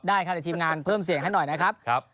ในทีมงานเพิ่มเสียงให้หน่อยนะครับ